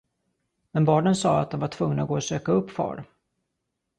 Men barnen sade att de var tvungna att gå och söka upp far.